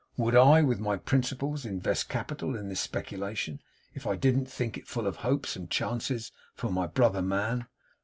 Would I, with my principles, invest capital in this speculation if I didn't think it full of hopes and chances for my brother man?